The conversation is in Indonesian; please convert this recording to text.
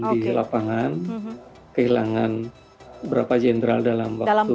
di lapangan kehilangan beberapa jenderal dalam dalam perang singkat ya oke